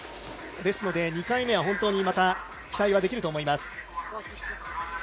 ですので２回目は本当に期待できると思います。